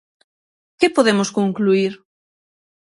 Que podemos concluír?